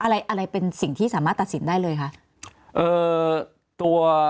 อะไรอะไรเป็นสิ่งที่สามารถตัดสินได้เลยคะ